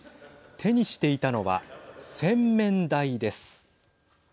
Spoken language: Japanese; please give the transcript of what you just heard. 手にしていたのは洗面台です。